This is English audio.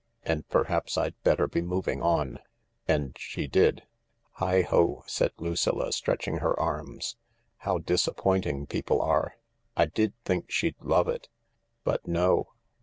And perhaps I'd better be moving on." And she did. " Heigho !" said Lucilla, stretching her arms. " How disappointing people are I I did think she'd love it. But no